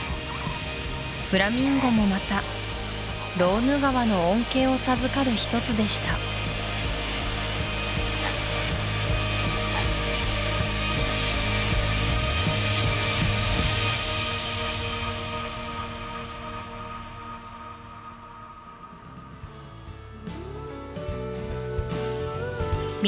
フラミンゴもまたローヌ川の恩恵を授かる一つでした南